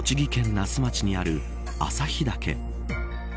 那須町にある朝日岳。